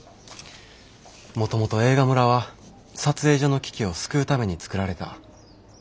もともと映画村は撮影所の危機を救うために作られた。